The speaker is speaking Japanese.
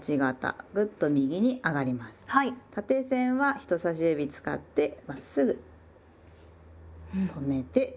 縦線は人さし指使ってまっすぐ止めて。